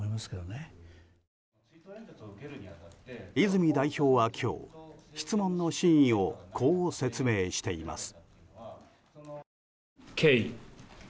泉代表は今日、質問の真意をこう説明しています。